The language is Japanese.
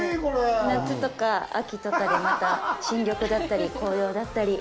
夏とか秋とかで、また新緑だったり紅葉だったり。